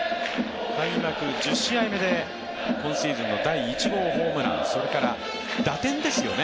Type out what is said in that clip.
開幕１０試合目で今シーズンの第１号ホームラン、それから打点ですよね。